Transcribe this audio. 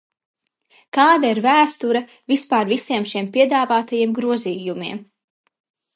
Kāda ir vēsture vispār visiem šiem piedāvātajiem grozījumiem?